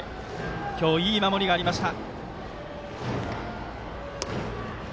今日いい守りがありました。